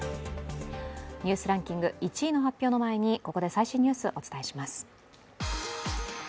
「ニュースランキング」１位の発表の前に最新ニュース、お伝えします。